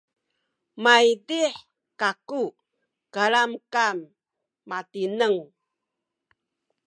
maydih kaku kalamkam matineng